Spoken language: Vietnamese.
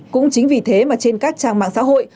cũng chính vì thế mà trên các trang mạng xã hội